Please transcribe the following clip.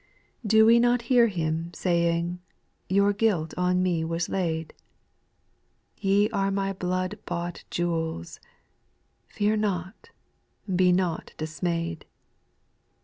8. Do we not hear Him saying, " Your guilt on me was laid," *' Ye are my blood bought jewels," Fear not, be not dismayed."